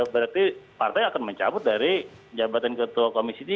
berarti partai akan mencabut dari jabatan ketua komisi tiga